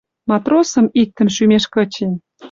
Матросым иктӹм шӱмеш кычен